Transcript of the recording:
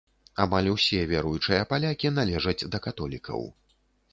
Амаль усе веруючыя палякі належаць да католікаў.